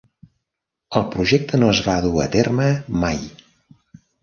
El projecte no es va dur a terme mai.